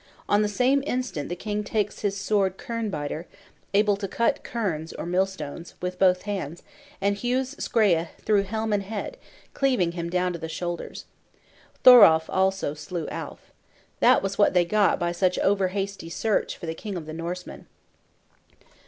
On the same instant the king takes his sword "quernbiter" (able to cut querns or millstones) with both hands, and hews Skreya through helm and head, cleaving him down to the shoulders. Thoralf also slew Alf. That was what they got by such over hasty search for the king of the Norsemen.